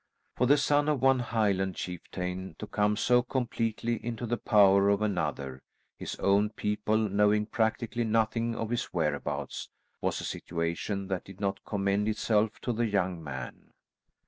For the son of one Highland chieftain to come so completely into the power of another, his own people knowing practically nothing of his whereabouts, was a situation that did not commend itself to the young man.